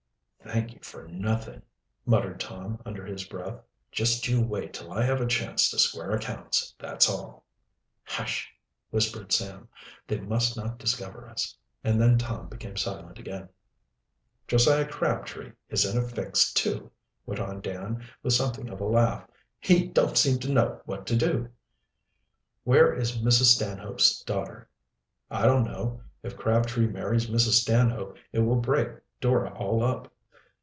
"Thank you for nothing," muttered Tom, under his breath. "Just you wait till I have a chance to square accounts, that's all!" "Hush!" whispered Sam. "They must not discover us." And then Tom became silent again. "Josiah Crabtree is in a fix, too," went on Dan, with something of a laugh. "He don't seem to know what to do." "Where is Mrs. Stanhope's daughter?" "I don't know. If Crabtree marries Mrs. Stanhope, it will break Dora all up."